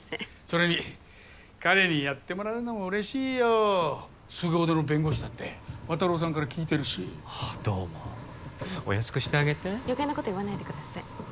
それに彼にやってもらうのも嬉しいよすご腕の弁護士だって綿郎さんから聞いてるしはあどうもお安くしてあげて余計なこと言わないでください